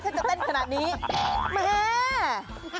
ถ้าจะเต้นขนาดนี้แม่